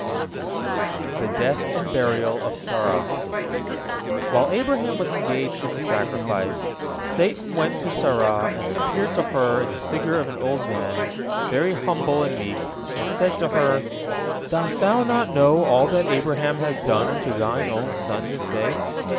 THE DEATH AND BURIAL OF SARAH While Abraham was engaged in the sacrifice, Satan went to Sarah, and appeared to her in the figure of an old man, very humble and meek, and said to her: "Dost thou not know all that Abraham has done unto thine only son this day?